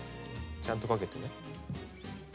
ちゃんとかけてね。